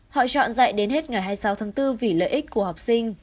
họ chọn dạy đến hết ngày hai mươi sáu tháng bốn vì lợi ích của học sinh